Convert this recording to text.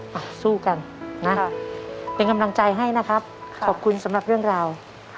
สู้กันนะเป็นกำลังใจให้นะครับขอบคุณสำหรับเรื่องราว